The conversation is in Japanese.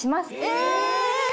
え！